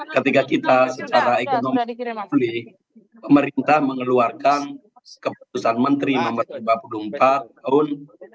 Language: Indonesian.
ketika kita secara ekonomi pemerintah mengeluarkan keputusan menteri nomor lima puluh empat tahun dua ribu dua puluh